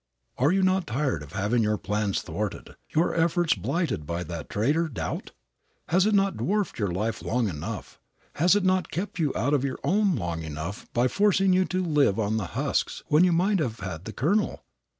Are you not tired of having your plans thwarted, your efforts blighted by the traitor, doubt? Has it not dwarfed your life long enough, has it not kept you out of your own long enough by forcing you to live on the husks when you might have had the kernel?